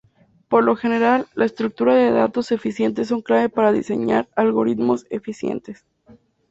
Por lo general, las estructuras de datos eficientes son clave para diseñar algoritmos eficientes.